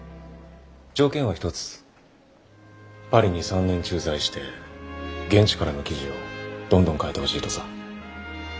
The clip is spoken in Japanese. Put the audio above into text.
条件は一つパリに３年駐在して現地からの記事をどんどん書いてほしいとさ。